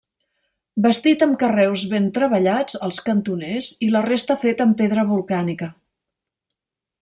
Bastit amb carreus ben treballats als cantoners i la resta fet amb pedra volcànica.